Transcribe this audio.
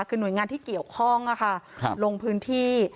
คือหน่วยงานที่เกี่ยวข้องลงพื้นที่